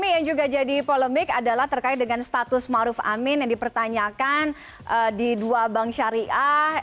yang juga jadi polemik adalah terkait dengan status maruf amin yang dipertanyakan di dua bank syariah